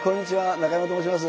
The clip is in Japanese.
中山と申します。